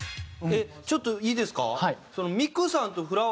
ちょっといいですか？